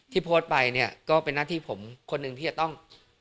โพสต์ไปเนี่ยก็เป็นหน้าที่ผมคนหนึ่งที่จะต้อง